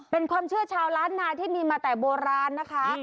เป็นความเชื่อชาวล้านนาที่มีมาแต่โบราณนะคะ